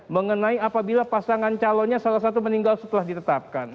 mengenai apabila pasangan calonnya salah satu meninggal setelah ditetapkan